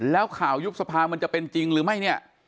แล้วข่าวยุบสภามันจะเป็นจริงหรือไม่เนี่ย